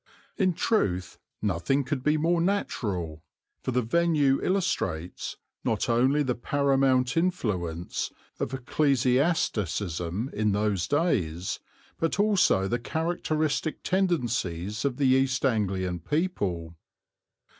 In truth, nothing could be more natural, for the venue illustrates not only the paramount influence of ecclesiasticism in those days, but also the characteristic tendencies of the East Anglian people.